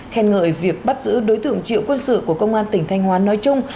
khen ngợi việc bắt giữ đối tượng triệu quân sự của công an tỉnh thanh hóa nói chung